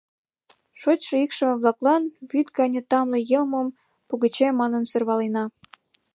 Шочшо икшыве-влаклан вӱд гане тамле йылмым пугыче манын сӧрвалена.